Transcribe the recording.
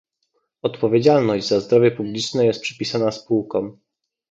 Odpowiedzialność za zdrowie publiczne jest przypisana spółkom